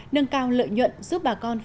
nâng cao lợi nhuận giúp bà con